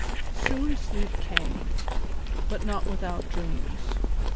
Soon sleep came, but not without dreams.